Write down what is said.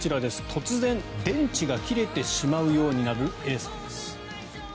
突然、電池が切れてしまうようになるエイさんです。